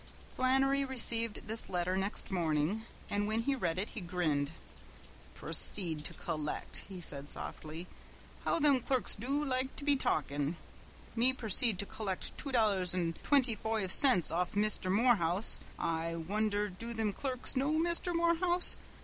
Flannery received this letter next morning, and when he read it he grinned. "Proceed to collect," he said softly. "How thim clerks do loike to be talkin'! Me proceed to collect two dollars and twinty foive cints off Misther Morehouse! I wonder do thim clerks know Misther Morehouse?